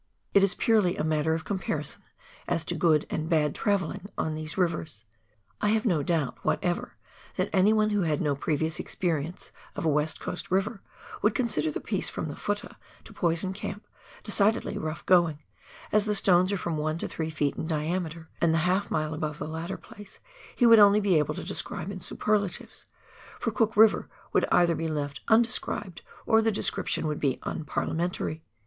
It is purely a matter of com parison, as to " good " and " bad " travelling on these rivers ; I have no doubt whatever, that anyone who had no previous experience of a West Coast river would consider the piece from the "futtah" to Poison Camp decidedly rough going, as the stones are from one to three feet in diameter, and the half mile above the latter place he would only be able to describe in superlatives, for Cook Eiver would either be left un described, or the description would be unparliamentary